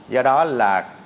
do đó là